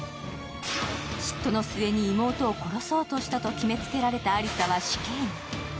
嫉妬の末に妹を殺そうとしたと決めつけられたアリサは死刑に。